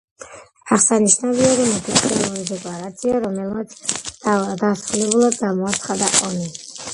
აღსანიშნავია, მისი ოფიციალური დეკლარაცია, რომელმაც დასრულებულად გამოაცხადა ომი.